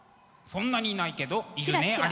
そんなにいないけどいるね。